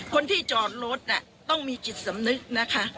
คนที่จอดรถต้องมีจิตสำนึกนะคะ